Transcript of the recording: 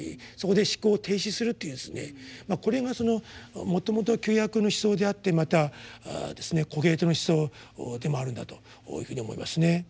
そこで思考を停止するというこれがそのもともと「旧約」の思想であってまたコヘレトの思想でもあるんだというふうに思いますね。